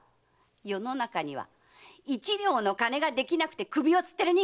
世の中には一両の金ができなくて首を吊ってる人間がいるんだよ！